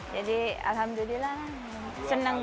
jadi alhamdulillah senang